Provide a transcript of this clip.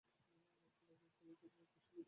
ফলত কৃষ্ণের মহাবাণী যুদ্ধক্ষেত্রেই প্রচারিত হইয়াছিল।